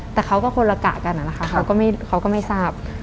แต่เขาก็คนละกะกันนะคะเขาก็ไม่ทราบ